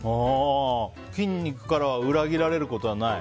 筋肉から裏切られることはない。